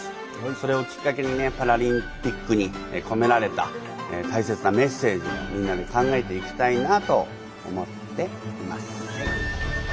それをきっかけにパラリンピックに込められた大切なメッセージをみんなで考えていきたいなと思っています。